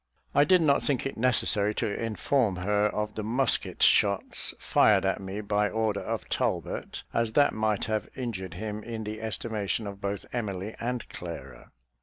I did not think it necessary to inform her of the musket shots fired at me by order of Talbot, as that might have injured him in the estimation of both Emily and Clara.